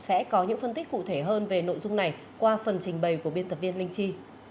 sẽ có những phân tích cụ thể hơn về nội dung này qua phần trình bày của biên tập viên linh chi